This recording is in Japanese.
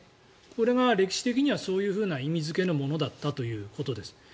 これが歴史的にはそういう意味付けのものだったということです。